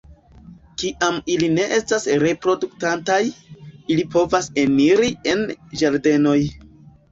Kiam ili ne estas reproduktantaj, ili povas eniri en ĝardenoj.